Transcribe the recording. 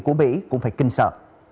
của mỹ cũng phải kinh sợ